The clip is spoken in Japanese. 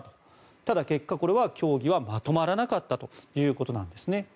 ただ結果、協議はまとまらなかったということなんです。